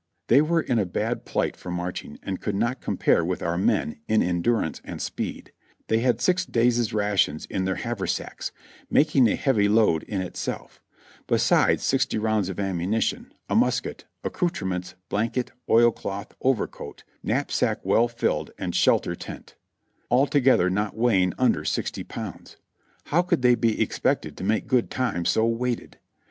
They were in a bad plight for marching, and could not compare with our men in endur ance and speed; they had six days' rations in their haver sacks, making a heavy load in itself, besides sixty rounds of am munition, a musket, accoutrements, blanket, oilcloth, overcoat, knapsack well filled, and shelter tent ; all together not weighing under sixty pounds. How cofild they be expected to make good time so weighted?